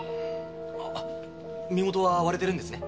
身元は割れてるんですね？